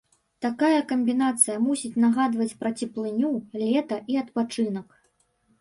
Такая камбінацыя мусіць нагадваць пра цеплыню, лета і адпачынак.